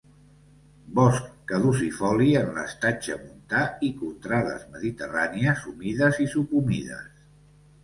Bosc caducifoli en l'estatge montà i contrades mediterrànies humides i subhumides.